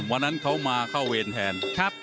วันนั้นเขามาเข้าเวรแทน